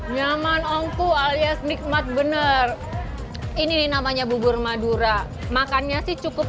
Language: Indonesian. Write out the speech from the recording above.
nyaman ongko alias nikmat bener ini namanya bubur madura makannya sih cukup